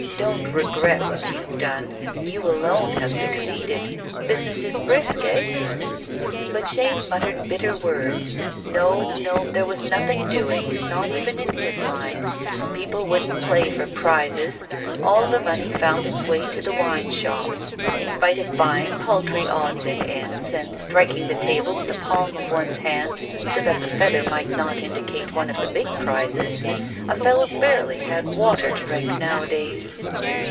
'Don't regret what you've done; you alone have succeeded. Business is brisk, eh?' But Chaîne muttered bitter words. No, no, there was nothing doing, not even in his line. People wouldn't play for prizes; all the money found its way to the wine shops. In spite of buying paltry odds and ends, and striking the table with the palm of one's hand, so that the feather might not indicate one of the big prizes, a fellow barely had water to drink nowadays.